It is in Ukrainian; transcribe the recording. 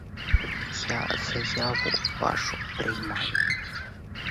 Я заяву вашу приймаю.